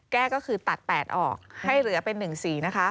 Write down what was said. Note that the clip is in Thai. แก้ก็คือตัด๘ออกให้เหลือเป็น๑สีนะคะ